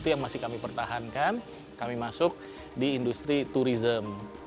itu yang masih kami pertahankan kami masuk di industri turisme